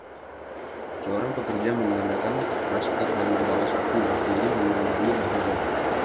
Seorang pekerja mengenakan masker dan membawa sapu, berdiri memandangi bahunya.